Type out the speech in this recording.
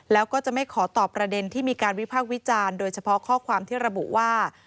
แล้วก็จะไม่ขอตอบประเด็นที่มีการวิพากษ์วิจารณ์โดยเฉพาะข้อความที่ระบุว่า